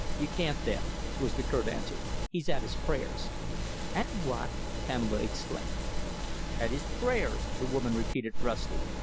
"You can't, then," was the curt answer. "He's at his prayers." "At what?" Pamela exclaimed. "At his prayers," the woman repeated brusquely.